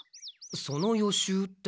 その予習って？